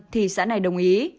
thì xã này đồng ý